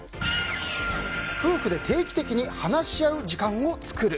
夫婦で定期的に話し合う時間を作る。